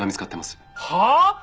はあ！？